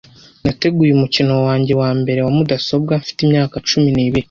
Nateguye umukino wanjye wa mbere wa mudasobwa mfite imyaka cumi n'ibiri.